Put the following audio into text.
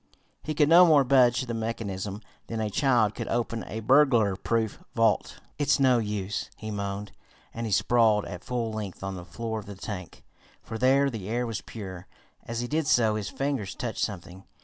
He could no more budge the mechanism than a child could open a burglar proof vault. "It's no use," he moaned, and he sprawled at full length on the floor of the tank, for there the air was purer. As he did so his fingers touched something.